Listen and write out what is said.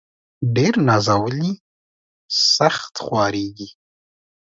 ډير نازولي ، سخت خوارېږي.